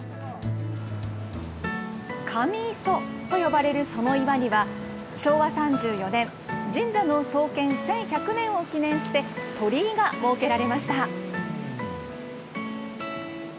神磯と呼ばれるその岩には、昭和３４年、神社の創建１１００年を記念して、鳥居が設けられました。